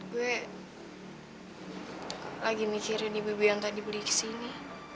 gue lagi mikirin ibu ibu yang tadi beli kesini